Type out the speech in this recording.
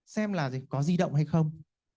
xem là có di động hay không